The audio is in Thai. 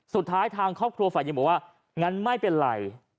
สุดท้ายทางครอบครัวฝ่ายยังบอกว่างั้นไม่เป็นไร